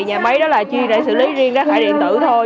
nhà máy đó là chi để xử lý riêng rác thải điện tử thôi